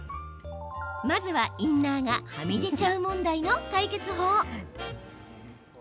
まずは、インナーがはみ出ちゃう問題の解決法。